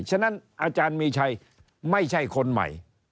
ฉะนั้นอาจารย์มีชัยไม่ใช่คนใหม่